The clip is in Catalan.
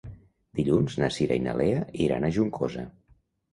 Dilluns na Cira i na Lea iran a Juncosa.